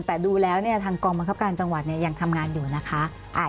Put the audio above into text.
แต่ดูแล้วทางกองบังคับการจังหวัดยังทำงานอยู่นะคะ